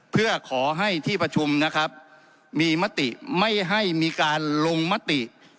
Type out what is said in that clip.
เพื่อขอให้ที่ประชุมนะครับมีมติไม่ให้มีการลงมติ